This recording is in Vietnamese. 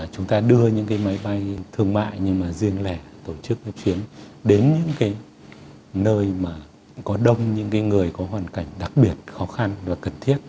chúng ta đưa những cái máy bay thương mại nhưng mà riêng lẻ tổ chức cái chuyến đến những cái nơi mà có đông những người có hoàn cảnh đặc biệt khó khăn và cần thiết